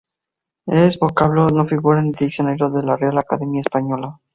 Este vocablo no figura en el Diccionario de la Real Academia Española.